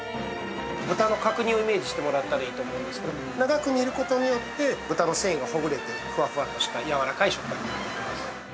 ◆豚の角煮をイメージしてもらったらいいと思うんですけど長く煮ることによって豚の繊維がほぐれてふわふわとしたやわらかい食感になってきます。